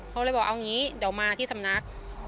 เขาเลยบอกเอางี้เดี๋ยวมาที่สำนัก